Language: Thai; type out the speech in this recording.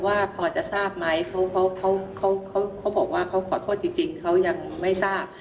ว่าพอจะทราบไหมเขาเขาบอกว่าเขาขอโทษจริงเขายังไม่ทราบ